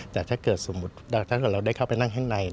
แต่ถ้าเกิดสมมุติถ้าเกิดเราได้เข้าไปนั่งข้างใน